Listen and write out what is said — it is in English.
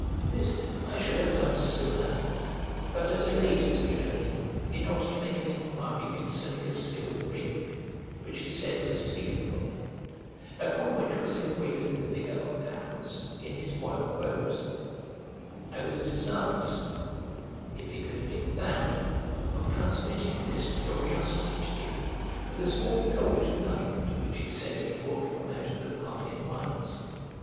This I should have done sooner, but I delayed his journey in order to make an inquiry concerning a seal ring which he said was taken from him, upon which was engraven the figure of Pacorus in his royal robes; I was desirous (if it could have been found) of transmitting this curiosity to you, with a small gold nugget which he says he brought from out of the Parthian mines.